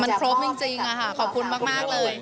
มันครบจริงขอบคุณมากเลย